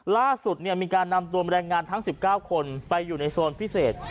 ล่าสุดมีการนำตัวแรงงานทั้ง๑๙คนไปอยู่ในโซนพิเศษ